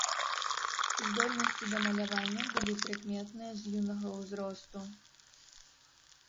Здольнасці да малявання былі прыкметныя з юнага ўзросту.